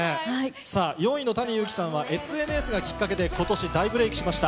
さあ、４位のＴａｎｉＹｕｕｋｉさんは、ＳＮＳがきっかけでことし大ブレークしました。